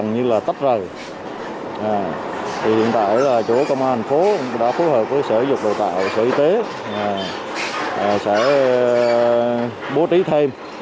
chúng ta sẽ tách rời hiện tại chỗ công an thành phố đã phù hợp với sở dục đào tạo sở y tế sẽ bố trí thêm